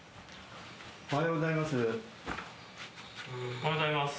おはようございます。